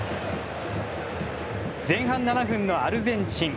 前半７分のアルゼンチン。